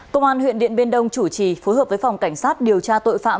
công an huyện điện biên đông chủ trì phối hợp với phòng cảnh sát điều tra tội phạm